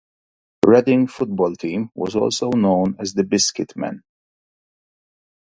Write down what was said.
Reading football team was also known as the "biscuit men".